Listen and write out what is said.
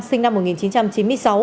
sinh năm một nghìn chín trăm chín mươi sáu